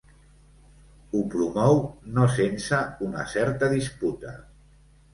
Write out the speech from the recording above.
Ho promou, no sense una certa disputa.